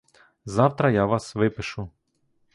Завтра я вас випишу.